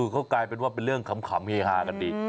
เขากลายเป็นว่าเป็นเรื่องขำเฮฮากันดี